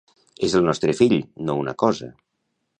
És el nostre fill, no una cosa!